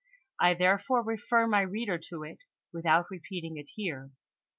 I therefore refer my reader to it without repeating it here.